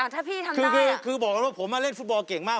ถ้าพี่ทำคือบอกแล้วว่าผมเล่นฟุตบอลเก่งมาก